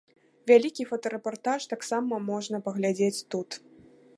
Вялікі фотарэпартаж таксама можна паглядзець тут.